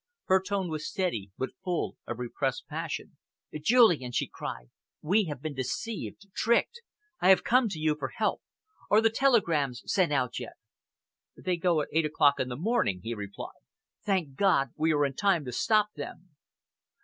Her tone was steady but full of repressed passion. "Julian," she cried, "we have been deceived tricked! I have come to you for help. Are the telegrams sent out yet?" "They go at eight o'clock in the morning," he replied. "Thank God we are in time to stop them!"